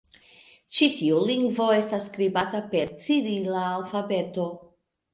Ĉi tiu lingvo estas skribata per cirila alfabeto.